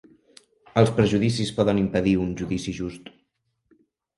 Els prejudicis poden impedir un judici just.